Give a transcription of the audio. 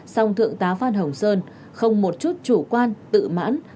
song thượng tá phan hồng sơn không một chút chủ quan tự mãn